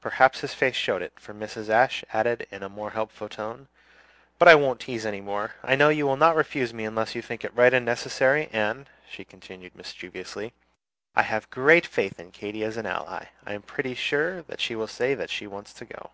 Perhaps his face showed it, for Mrs. Ashe added in a more hopeful tone, "But I won't tease any more. I know you will not refuse me unless you think it right and necessary; and," she continued mischievously, "I have great faith in Katy as an ally. I am pretty sure that she will say that she wants to go."